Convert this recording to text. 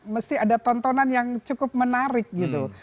mesti ada tontonan yang cukup menarik gitu